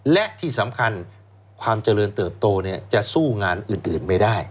และที่สำคัญความเจริญเติบโตจะสู้งานอื่นไม่ได้